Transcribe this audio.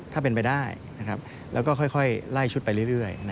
ถ้าเป็นไปได้แล้วก็ค่อยไล่ชุดไปเรื่อย